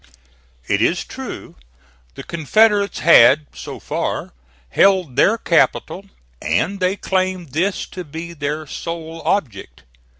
It is true the Confederates had, so far, held their capital, and they claimed this to be their sole object.